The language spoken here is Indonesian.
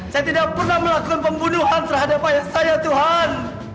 saya tidak pernah melakukan pembunuhan terhadap ayah saya tuhan